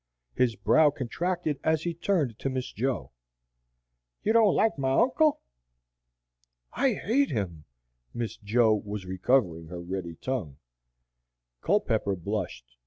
His brow contracted as he turned to Miss Jo: "You don't like my uncle!" "I hate him!" Miss Jo was recovering her ready tongue. Culpepper blushed.